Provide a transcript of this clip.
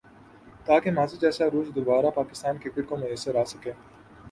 تاکہ ماضی جیسا عروج دوبارہ پاکستان کرکٹ کو میسر آ سکے